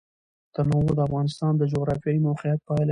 تنوع د افغانستان د جغرافیایي موقیعت پایله ده.